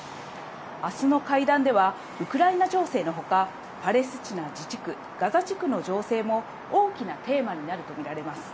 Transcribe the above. あすの会談では、ウクライナ情勢のほか、パレスチナ自治区ガザ地区の情勢も大きなテーマになると見られます。